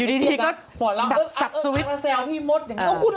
อยู่ดีก็สับสวิตช์แซวที่มด